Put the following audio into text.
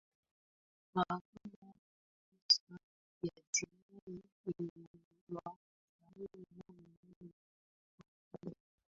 mahakama ya makosa ya jinai iliundwa tarehe nane mwezi wa kumi